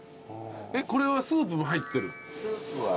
これはスープも入ってる？